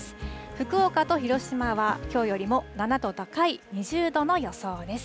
福岡と広島はきょうよりも７度高い２０度の予想です。